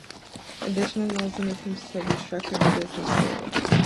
Additional loans and attempts to restructure the business failed.